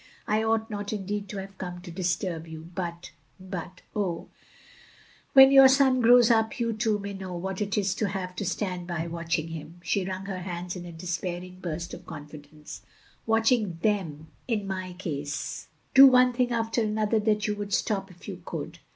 I ought not, indeed, to have come to disturb you, but — but — oh, when your son grows up, you too, may know what it is to have to stand by watching him," she wrtmg her hands in a despairing burst of confidence, "— ^watching them, in my case, — do one thing after another that you wotdd stop if you could.